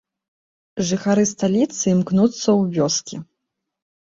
Жыхары сталіцы імкнуцца ў вёскі.